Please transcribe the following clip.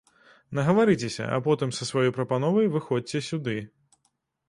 Нагаварыцеся, а потым са сваёй прапановай выходзьце сюды.